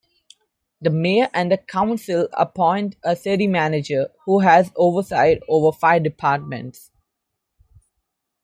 The mayor and council appoint a city manager, who has oversight over five departments.